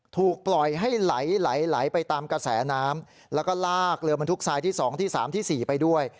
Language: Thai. ถูกปล่อยให้ไหลไหลไปตามกระแสน้ำแล้วก็ลากเรือบรรทุกทรายที่๒ที่๓ที่๔ไปด้วย